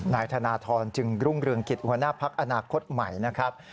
นายธนทรจึงรุ่งเรืองกิจหัวหน้าพักอนาคตใหม่นะครับ